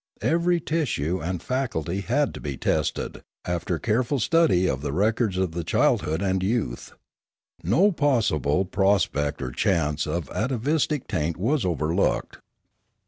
Every tissue and faculty had to be tested, after careful study of the records of the childhood and youth. No possible pro spect or chance of atavistic taint was overlooked.